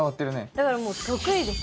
だからもう得意ですよ！